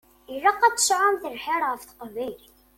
Ilaq ad sɛunt lḥir ɣef teqbaylit.